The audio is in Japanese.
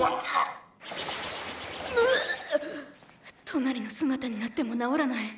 トナリの姿になっても治らない。